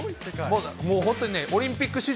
もう本当にね、オリンピック史上